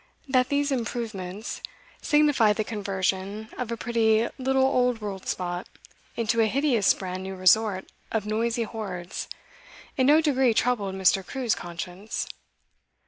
That these 'improvements' signified the conversion of a pretty little old world spot into a hideous brand new resort of noisy hordes, in no degree troubled Mr. Crewe's conscience.